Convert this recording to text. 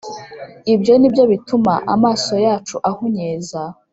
Ibyo ni byo bituma amaso yacu ahunyeza.